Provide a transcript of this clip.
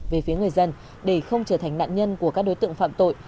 về phía người dân để không trở thành nạn nhân của các đối tượng phạm tội